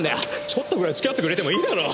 ちょっとぐらい付き合ってくれてもいいだろ？